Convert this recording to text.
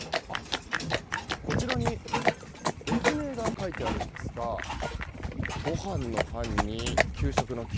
こちらに駅名が書いてあるんですがご飯の飯に、給食の給。